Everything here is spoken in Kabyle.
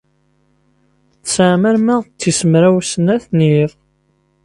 Tesɛam arma d tis mraw snat n yiḍ.